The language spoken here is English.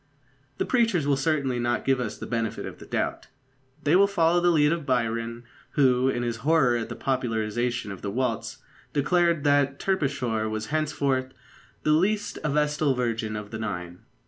The preachers will certainly not give us the benefit of the doubt. They will follow the lead of Byron, who, in his horror at the popularisation of the waltz, declared that Terpsichore was henceforth "the least a vestal virgin of the Nine."